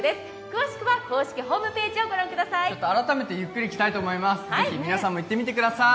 詳しくは公式ホームページを御覧ください。